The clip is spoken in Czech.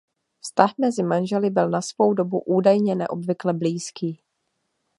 Vztah mezi manželi byl na svou dobu údajně neobvykle blízký.